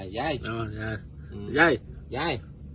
ยายยาย